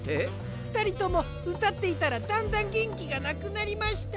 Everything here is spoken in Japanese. ふたりともうたっていたらだんだんげんきがなくなりました。